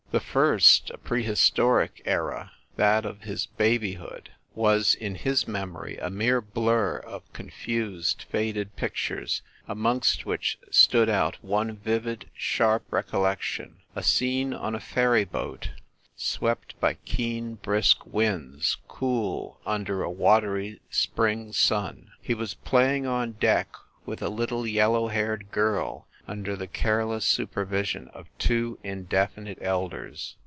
The first, a pre historic era, that of his babyhood, was, in his mem ory, a mere blur of confused, faded pictures, amongst which stood out one vivid, sharp recollec tion a scene on a ferry boat, swept by keen brisk winds, cool under a watery spring sun. He was playing on deck with a little yellow haired girl un der the careless supervision of two indefinite elders.